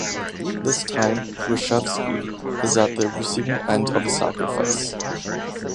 This time Reshevsky is at the receiving end of a sacrifice.